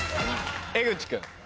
江口君。